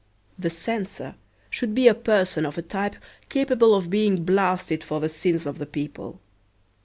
The censor should be a person of a type capable of being blasted for the sins of the people.